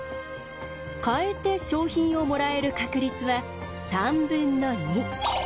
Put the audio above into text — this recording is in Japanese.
変えて賞品をもらえる確率は３分の２。